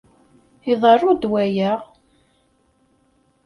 Iḍeṛṛu-d waya.